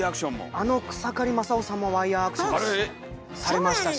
あの草刈正雄さんもワイヤーアクションされましたし。